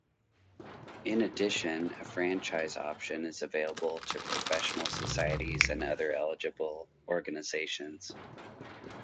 In addition, a franchise option is available to professional societies and other eligible organizations.